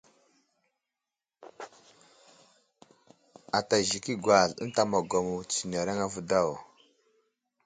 Ata zik i agwazl ənta magwamo tətsenereŋ avo daw.